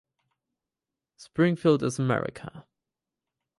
Springfield is America.